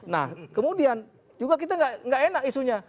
nah kemudian juga kita nggak enak isunya